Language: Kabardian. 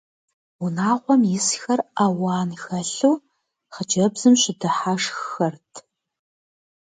Унагъуэм исхэр ауан хэлъу хъыджэбзым щыдыхьэшххэрт.